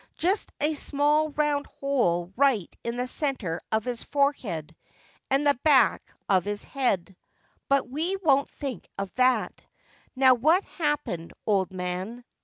Just a small round hole right in the centre of his forehead and the back of his head — but we won't think of that. That's what happened, old man.